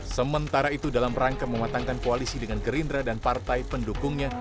sementara itu dalam rangka mematangkan koalisi dengan gerindra dan partai pendukungnya